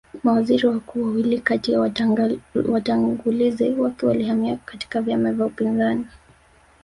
Mawaziri wakuu wawili kati ya watangulizi wake walihamia katika vyama vya upinzani